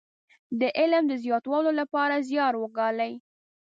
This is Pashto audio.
د علم د زياتولو لپاره زيار وګالي.